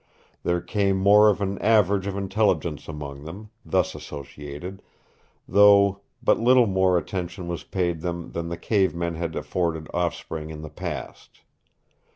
There came more of an average of intelligence among them, thus associated, though but little more attention was paid them than the cave men had afforded offspring in the past.